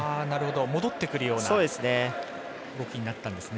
戻ってくるような動きになったんですね。